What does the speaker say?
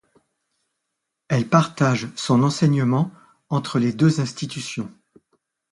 Elle partage son enseignement entre les deux institutions.